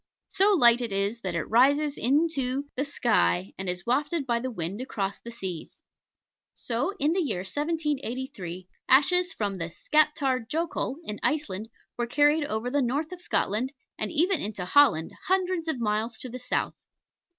So light it is, that it rises into the sky and is wafted by the wind across the seas. So, in the year 1783, ashes from the Skaptar Jokull, in Iceland, were carried over the north of Scotland, and even into Holland, hundreds of miles to the south.